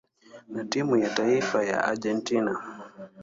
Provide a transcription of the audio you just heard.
na timu ya taifa ya Argentina.